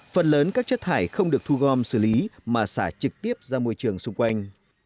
phần lớn các chất thải không được thu gom xử lý mà xả trực tiếp ra môi trường xung quanh